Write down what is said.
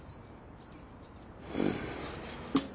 うん。